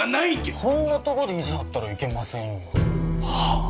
ほんなとこで意地張ったらいけませんよはあ！？